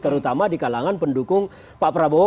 terutama di kalangan pendukung pak prabowo